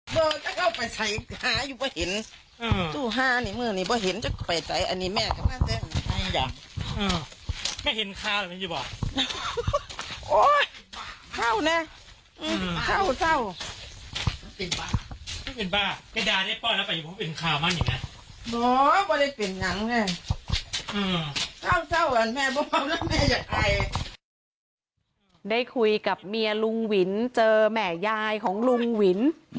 ได้คุยกับเมียลุงหวินเจอแม่ยายของลุงหวิน